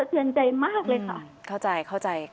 ชะเทือนใจมากเลยค่ะ